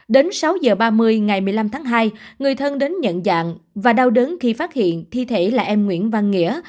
đến sáu giờ ba mươi ngày một mươi năm tháng hai người thân đến nhận dạng và đau đớn khi phát hiện thi thể là em nguyễn văn nghĩa